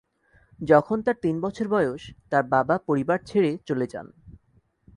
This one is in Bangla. যখন তার তিন বছর বয়স, তার বাবা পরিবার ছেড়ে চলে যান।